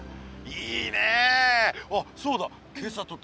いいね！